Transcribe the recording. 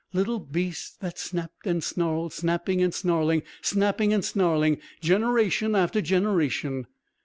Little beasts that snapped and snarled, snapping and snarling, snapping and snarling, generation after generation."